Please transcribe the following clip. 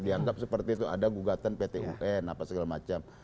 dianggap seperti itu ada gugatan pt un apa segala macam